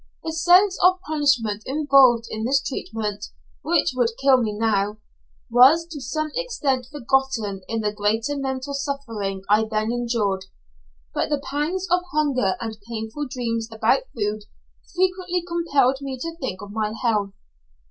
The sense of punishment involved in this treatment which would kill me now was to some extent forgotten in the greater mental suffering I then endured, but the pangs of hunger and painful dreams about food frequently compelled me to think of my health.